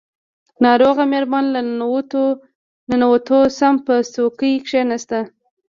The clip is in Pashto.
ناروغه مېرمن له ننوتو سم په څوکۍ کښېناسته.